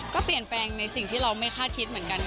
ก็เปลี่ยนแปลงในสิ่งที่เราไม่คาดคิดเหมือนกันค่ะ